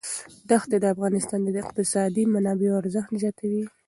دښتې د افغانستان د اقتصادي منابعو ارزښت زیاتوي.